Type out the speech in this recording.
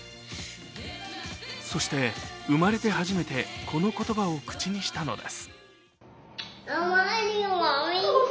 そして、生まれて初めてこの言葉を口にしたのです。